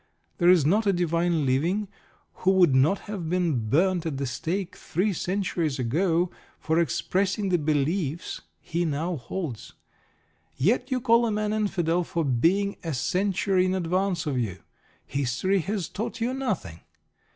There is not a divine living who would not have been burned at the stake three centuries ago for expressing the beliefs he now holds. Yet you call a man Infidel for being a century in advance of you. History has taught you nothing.